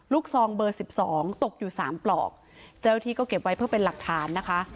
ซองเบอร์๑๒ตกอยู่สามปลอกเจ้าที่ก็เก็บไว้เพื่อเป็นหลักฐานนะคะ